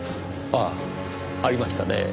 ああありましたねぇ。